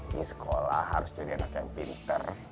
ini sekolah harus jadi anak yang pinter